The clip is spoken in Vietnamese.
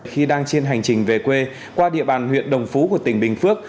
khi đang trên hành trình về quê qua địa bàn huyện đồng phú của tỉnh bình phước